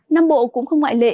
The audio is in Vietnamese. năm bộ cũng không ngoại lệ